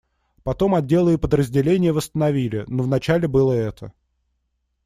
Потом отделы и подразделения восстановили, но вначале было это.